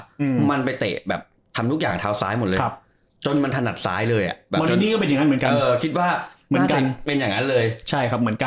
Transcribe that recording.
แถวมันไปเตะแบบทำทุกอย่างท้าวซ้ายหมดเลยจนมันถนัดซ้ายเลยอะมรานินิก็เป็นอย่างนั้นเหมือนกัน